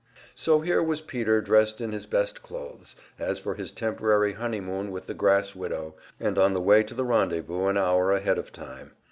So here was Peter dressed in his best clothes, as for his temporary honeymoon with the grass widow, and on the way to the rendezvous an hour ahead of time.